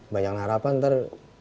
banyak harapan ntar